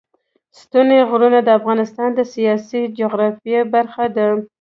ستوني غرونه د افغانستان د سیاسي جغرافیه برخه ده.